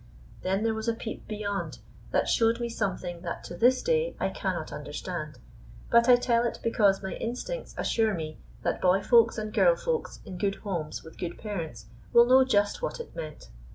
Then there was a peep beyond that showed me something that to this day I cannot understand, but I tell it because my instincts assure me that boy Folks and girl Folks in good homes with good parents will know just what it meant.